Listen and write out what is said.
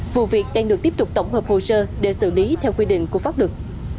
vụ việc đang được tiếp tục tổng hợp hồ sơ để xử lý theo quy định của pháp luật